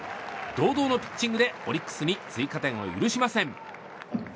堂々のピッチングでオリックスに追加点を許しません。